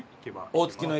大月の駅？